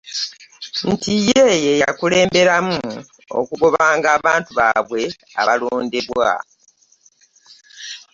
Nti ye yakulemberamu okugobanga abantu baabwe awalondebwa.